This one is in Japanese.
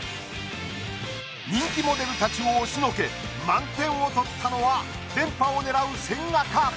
人気モデルたちを押しのけ満点を取ったのは連覇を狙う千賀か？